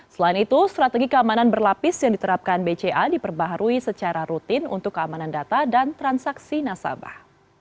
selain itu strategi keamanan berlapis yang diterapkan bca diperbaharui secara rutin untuk keamanan data dan transaksi nasabah